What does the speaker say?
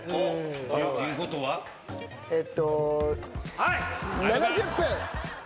はい。